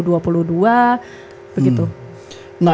nah yang menarik dari komunitas berikutnya